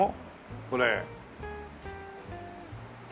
これ。